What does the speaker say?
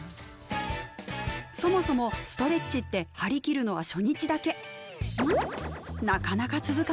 そもそもストレッチって張り切るのは初日だけ。